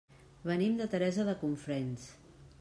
Venim de Teresa de Cofrents.